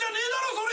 それ。